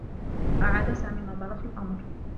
أعاد سامي النّظر في الأمر.